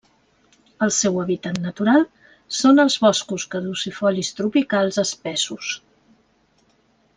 El seu hàbitat natural són els boscos caducifolis tropicals espessos.